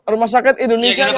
rumah sakit indonesia